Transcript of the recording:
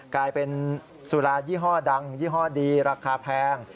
กลายเป็นสุรายี่ห้อดังยี่ห้อดีราคาแพง